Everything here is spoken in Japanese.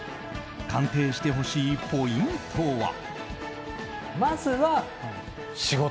鑑定してほしいポイントは。